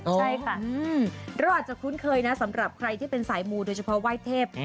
ใช่ค่ะเราอาจจะคุ้นเคยนะสำหรับใครที่เป็นสายมูโดยเฉพาะไหว้เทพ